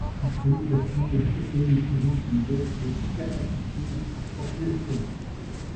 Après mutation, la protéine présente une baisse de sa capacité à transporter le fer.